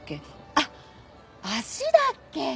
あっ足だっけ？